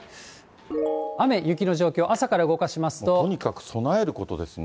雨、雪の状況、朝から動かしとにかく備えることですね。